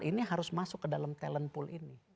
ini harus masuk ke dalam talent pool ini